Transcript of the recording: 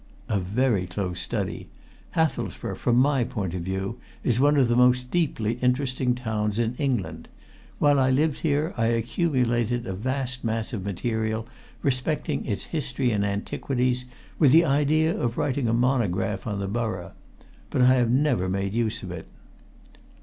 "A very close study. Hathelsborough, from my point of view, is one of the most deeply interesting towns in England. While I lived here I accumulated a vast mass of material respecting its history and antiquities, with the idea of writing a monograph on the borough. But I have never made use of it."